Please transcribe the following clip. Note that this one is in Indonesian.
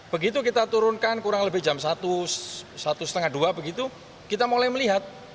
begitu kita turunkan kurang lebih jam satu satu tiga puluh begitu kita mulai melihat